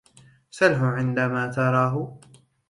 سلّه عندما تراه.